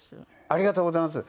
ありがとうございます。